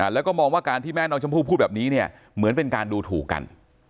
แล้วก็มองว่าการที่แม่น้องชมพู่พูดแบบนี้เนี่ยเหมือนเป็นการดูถูกกัน